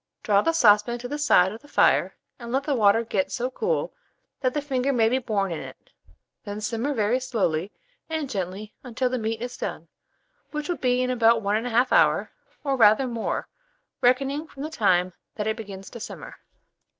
Draw the saucepan to the side of the fire, and let the water get so cool that the finger may be borne in it; then simmer very slowly and gently until the meat is done, which will be in about 1 1/2 hour, or rather more, reckoning from the time that it begins to simmer.